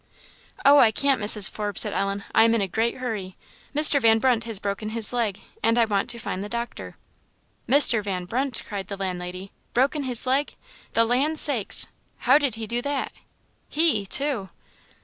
"Oh, I can't, Mrs. Forbes," said Ellen, "I am in a great hurry; Mr. Van Brunt has broken his leg, and I want to find the doctor." "Mr. Van Brunt!" cried the landlady. "Broken his leg! The land's sakes! how did he do that? he, too!"